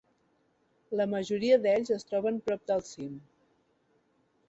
La majoria d'ells es troben prop del cim.